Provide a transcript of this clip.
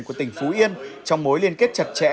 của tỉnh phú yên trong mối liên kết chặt chẽ